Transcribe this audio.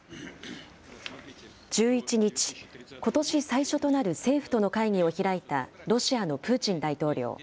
１１日、ことし最初となる政府との会議を開いたロシアのプーチン大統領。